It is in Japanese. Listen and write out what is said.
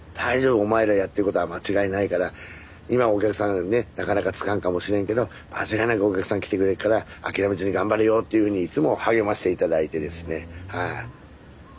「お前らやってることは間違いないから今お客さんねなかなかつかんかもしれんけど間違いなくお客さん来てくれるから諦めずに頑張れよ」というふうにいつも励まして頂いてですねはい。